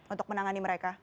untuk menangani mereka